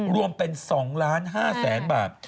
รวมเป็น๒๕๐๐๐๐บาท